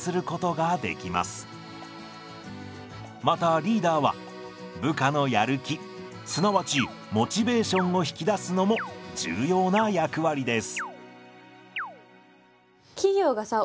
またリーダーは部下のやる気すなわちモチベーションを引き出すのも重要な役割です。